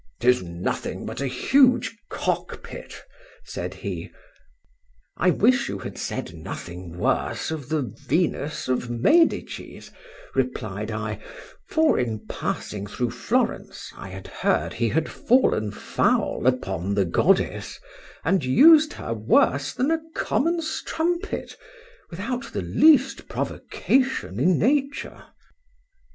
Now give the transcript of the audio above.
—'Tis nothing but a huge cockpit, said he:—I wish you had said nothing worse of the Venus of Medicis, replied I;—for in passing through Florence, I had heard he had fallen foul upon the goddess, and used her worse than a common strumpet, without the least provocation in nature.